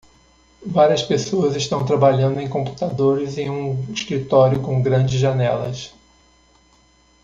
Várias pessoas estão trabalhando em computadores em um escritório com grandes janelas.